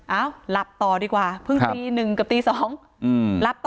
เอาหลับต่อดีกว่าเพิ่งตีหนึ่งกับตีสองอืมหลับต่อ